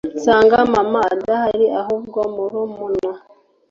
nsanga mama adahari ahubwo murumuna